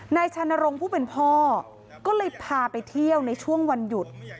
ชานรงค์ผู้เป็นพ่อก็เลยพาไปเที่ยวในช่วงวันหยุด